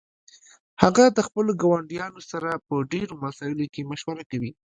هغه د خپلو ګاونډیانو سره په ډیرو مسائلو کې مشوره کوي